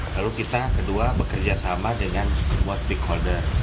lalu kita kedua bekerja sama dengan semua stakeholder